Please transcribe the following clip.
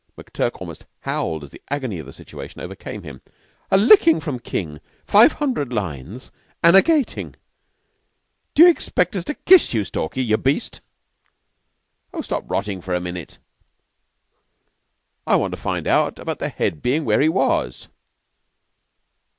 McTurk almost howled as the agony of the situation overcame him. "A lickin' from King, five hundred lines, and a gatin'. D'you expect us to kiss you, Stalky, you beast?" "Drop rottin' for a minute. I want to find out about the Head bein' where he was."